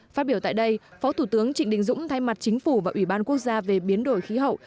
phát biểu tại đây phó thủ tướng trịnh đình dũng thay mặt chính phủ và ủy ban quốc gia về biến đổi khí hậu